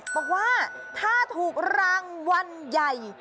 บอกว่าถ้าถูกรางวัลใหญ่